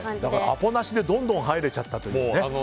アポなしでどんどん入れちゃったというね。